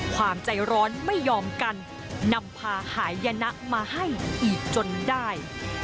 ความใจร้อนไม่ยอมกันนำพาหายยนะมาให้อีกจนได้